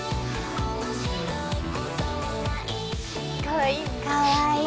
かわいい。